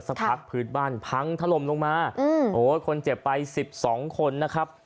ซักพักพืชบ้านพังทะลมลงมาโอ้โหคนเจ็บไป๑๒คนนะครับ